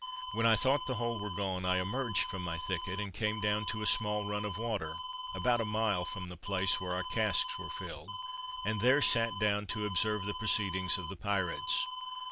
When I thought the whole were gone, I emerged from my thicket, and came down to a small run of water, about a mile from the place where our casks were filled, and there sat down to observe the proceedings of the pirates.